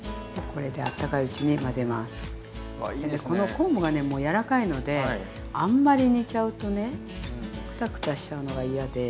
この昆布がねもう柔らかいのであんまり煮ちゃうとねクタクタしちゃうのが嫌で。